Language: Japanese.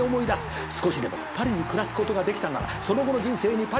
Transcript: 「少しでもパリに暮らすことができたならその後の人生にパリはついてまわる」